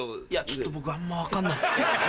ちょっと僕あんま分かんなくて。